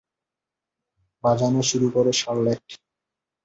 বাজানো শুরু করো শার্লেট।